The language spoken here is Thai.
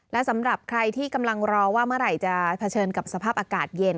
และสำหรับใครที่กำลังรอว่าเมื่อไหร่จะเผชิญกับสภาพอากาศเย็น